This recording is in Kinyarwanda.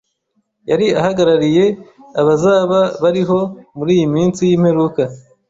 Yari ahagarariye abazaba bariho muri iyi minsi y’imperuka,